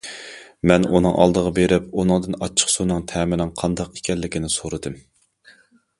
مەن ئۇنىڭ ئالدىغا بېرىپ ئۇنىڭدىن ئاچچىقسۇنىڭ تەمىنىڭ قانداق ئىكەنلىكىنى سورىدىم.